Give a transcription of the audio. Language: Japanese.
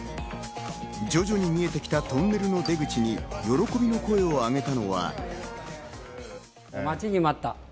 徐々に見えてきたトンネルの出口に喜びの声を上げたのが。